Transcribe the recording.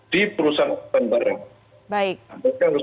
mereka harus punya sistem manajemen keselamatan